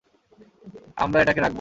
আমরা এটাকে রাখবো।